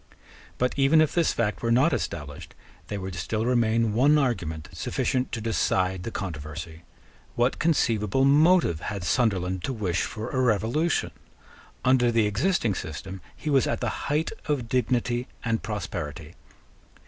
But, even if this fact were not established, there would still remain one argument sufficient to decide the controversy. What conceivable motive had Sunderland to wish for a revolution? Under the existing system he was at the height of dignity and prosperity.